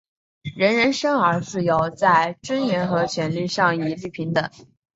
人人生而自由,在尊严和权利上一律平等。